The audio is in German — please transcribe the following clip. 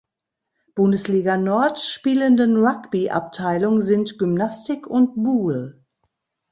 Bundesliga Nord spielenden Rugby-Abteilung sind Gymnastik und Boule.